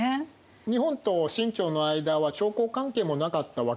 日本と清朝の間は朝貢関係もなかったわけです。